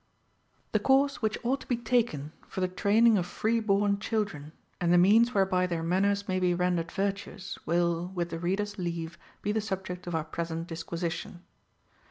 The course which ou2rht to be taken for the trainins: of free born children, and the means whereby their man ners may be rendered virtuous, will, with the reader's leave, be the subject of our present disquisition.